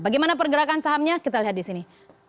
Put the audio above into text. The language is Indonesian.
bagaimana pergerakan sahamnya kita lihat di sini